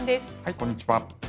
こんにちは。